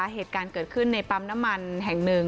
เหตุการณ์เกิดขึ้นในปั๊มน้ำมันแห่งหนึ่ง